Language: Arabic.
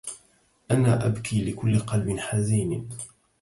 أنا أبكي لكل قلب حزين